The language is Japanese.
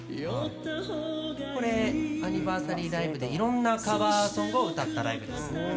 これ、アニバーサリーライブでいろんなカバーソングを歌ったライブです。